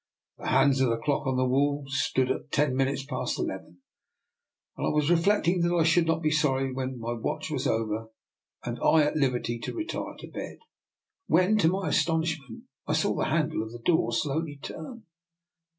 The hands of the clock on the wall stood at ten minutes past eleven, and I was reflecting that I should not be sorry when my watch was over, and I at liberty to retire to bed, when to my astonishment I saw the handle of the door slowly turn.